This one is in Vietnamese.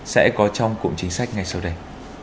sẽ có trong cụm chính sách ngay sau đây